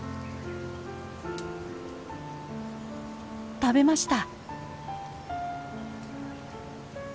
食べました。